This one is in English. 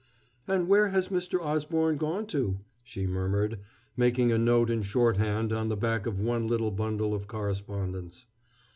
"And where has Mr. Osborne gone to?" she murmured, making a note in shorthand on the back of one little bundle of correspondence.